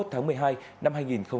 tháng một mươi hai năm hai nghìn hai mươi